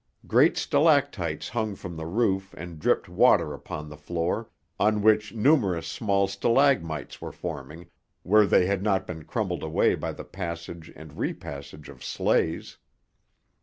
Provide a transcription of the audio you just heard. Great stalactites hung from the roof and dripped water upon the floor, on which numerous small stalagmites were forming, where they had not been crumbled away by the passage and repassage of sleighs.